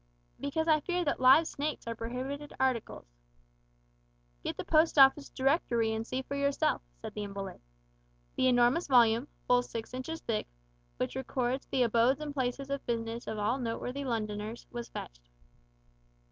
"Because I fear that live snakes are prohibited articles." "Get the Post Office Directory and see for yourself," said the invalid. The enormous volume, full six inches thick, which records the abodes and places of business of all noteworthy Londoners, was fetched.